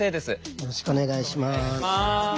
よろしくお願いします。